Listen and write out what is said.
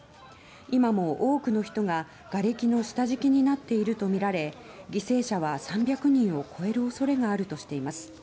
今も多くの人ががれきの下敷きになっているとみられ犠牲者は３００人を超える恐れがあるとしています。